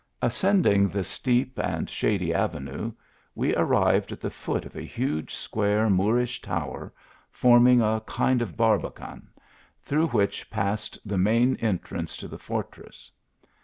Ascending the steep and shady avenue, we arrived at the foot of a huge square Moorish tower, forming a kind of barbican, through which passed the main entrance to the fortress.